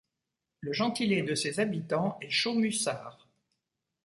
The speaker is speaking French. Le gentilé de ses habitants est Chaumussards.